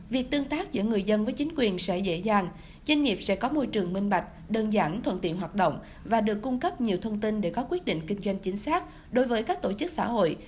việc tương tác giữa người dân với chính quyền sẽ dễ dàng doanh nghiệp sẽ có môi trường minh bạch đơn giản thuận tiện hoạt động và được cung cấp nhiều thông tin để có quyết định kinh doanh chính xác đối với các tổ chức xã hội